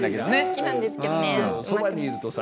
好きなんですけどね。